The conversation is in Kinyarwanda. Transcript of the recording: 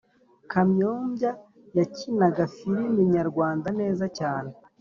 kanyombya yakinaga filimi nyarwanda neza cyane